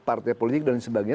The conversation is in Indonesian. partai politik dan sebagainya